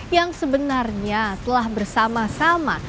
yang sebenarnya telah bersama sama